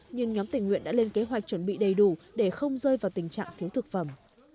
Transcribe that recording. nhưng nhóm tình nguyện đã lên kế hoạch chuẩn bị đầy đủ để không rơi vào tình trạng thiếu thực phẩm